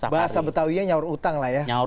bahasa betawinya nyaur utang lah ya